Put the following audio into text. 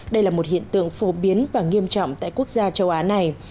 đây là một hiện tượng phổ biến và nghiêm trọng tại quốc gia châu á này